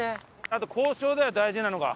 あと交渉だよ大事なのが。